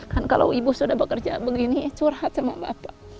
kan kalau ibu sudah bekerja begini ya curhat sama bapak